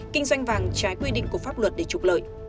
kinh doanh vàng trái quy định của pháp luật để trục lợi